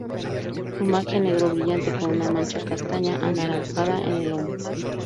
Plumaje negro brillante con una mancha castaña a anaranjada en el hombro.